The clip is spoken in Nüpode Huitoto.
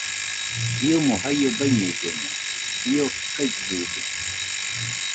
Iomo jaio baiñellena, io gaigɨde